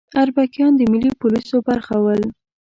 اربکیان د ملي پولیسو برخه ول